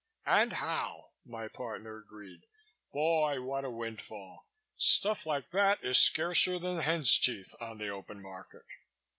"And how!" My partner agreed. "Boy! what a windfall! Stuff like that is scarcer than hen's teeth on the open market.